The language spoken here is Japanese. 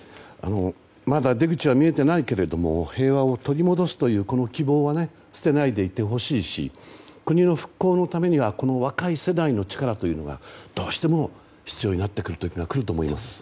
まだ出口は見えていないけれども平和を取り戻すというこの希望は捨てないでいてほしいし国の復興のためには若い世代の力というのがどうしても必要になってくる時が来ると思います。